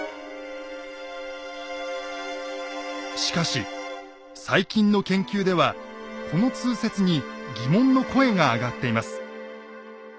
しかし最近の研究ではこの通説に疑問の声が上がっています。